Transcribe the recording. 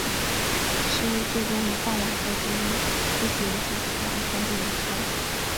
是日最终于傍晚再度因出席人数不足而宣布流会。